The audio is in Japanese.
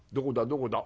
どこだ？